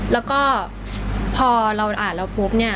แล้วก็พอเราอ่านเราปุ๊บเนี่ย